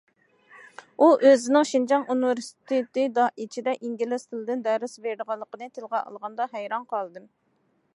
ئۇ ئۆزىنىڭ شىنجاڭ ئۇنىۋېرسىتېتى ئىچىدە ئىنگلىز تىلىدىن دەرس بېرىدىغانلىقىنى تىلغا ئالغاندا ھەيران قالدىم.